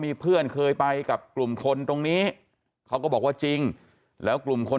มีเพื่อนเคยไปกับกลุ่มทนตรงนี้เขาก็บอกว่าจริงแล้วกลุ่มคน